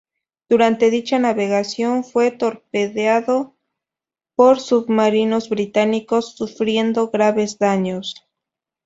Durante dicha navegación fue torpedeado por submarinos británicos sufriendo graves daños.